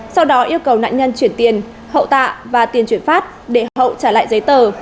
sau đó yêu cầu nạn nhân chuyển tiền hậu tạ và tiền chuyển phát để hậu trả lại giấy tờ